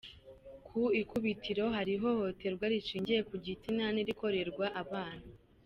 Ku ikubitiro hari ihohoterwa rishingiye ku gitsina n’irikorerwa abana.